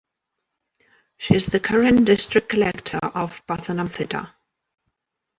She is the current District Collector of Pathanamthitta.